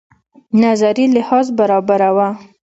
نظري لحاظ برابره وه.